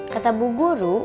kata bu guru